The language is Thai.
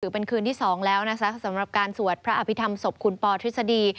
เป็นคืนที่๒แล้วนะคะสำหรับการสวดพระอภิษฐรรมศพคุณปอทฤษฎี